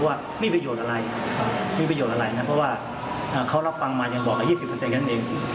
ว่ามีประโยชน์อะไรมีประโยชน์อะไรนะเพราะว่าเขารับฟังมายังบอกกับ๒๐นั่นเอง